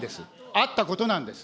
あったことなんです。